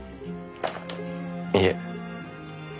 いえ。